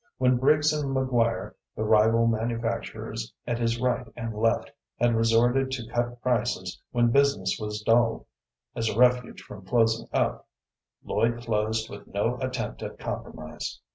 When Briggs and McGuire, the rival manufacturers at his right and left, had resorted to cut prices when business was dull, as a refuge from closing up, Lloyd closed with no attempt at compromise.